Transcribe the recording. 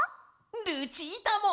ルチータも！